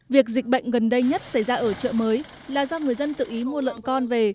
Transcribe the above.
việc dịch bệnh gần đây nhất xảy ra ở chợ mới là do người dân tự ý mua lợn con về